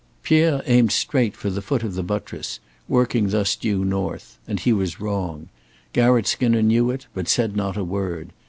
Pierre aimed straight for the foot of the buttress, working thus due north. And he was wrong. Garratt Skinner knew it, but said not a word.